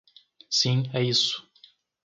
Sim é isso.